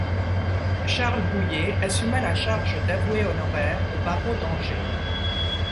Charles Bouhier assuma la charge d'avoué honoraire au barreau d'Angers.